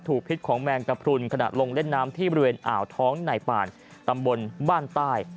พิษของแมงกระพรุนขณะลงเล่นน้ำที่บริเวณอ่าวท้องในป่านตำบลบ้านใต้